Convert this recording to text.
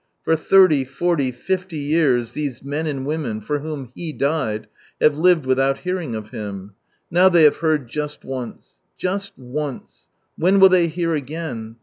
For thirty, forty, fifty, years, these men and women, for whom He died, have lived without hearing of Him. Now they have heard just oact, j'usl once. When will they hear again